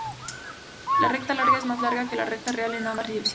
La recta larga es más "larga" que la recta real en ambas direcciones.